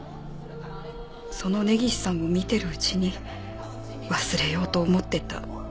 「その根岸さんを見てるうちに忘れようと思ってた